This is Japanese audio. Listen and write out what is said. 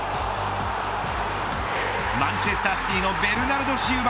マンチェスター・シティのベルナルド・シウバ。